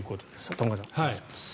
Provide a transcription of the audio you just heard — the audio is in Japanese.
玉川さん、お願いします。